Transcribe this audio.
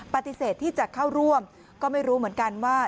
ปฏิเสธที่จะเข้าร่วมก็ไม่รู้เหมือนกันว่า